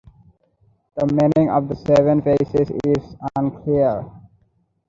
The meaning of the seven faces is unclear.